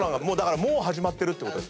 もう始まってるってことです。